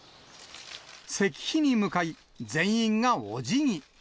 石碑に向かい、全員がおじぎ。